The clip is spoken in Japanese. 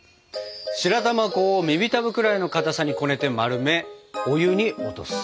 白玉粉を耳たぶぐらいのかたさにこねて丸めお湯に落とす。